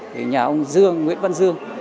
thì nhà ông dương nguyễn văn dương